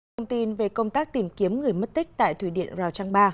công tin về công tác tìm kiếm người mất tích tại thủy điện rào trăng ba